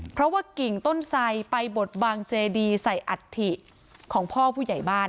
เพราะว่ากิ่งต้นไสไปบดบางเจดีใส่อัฐิของพ่อผู้ใหญ่บ้าน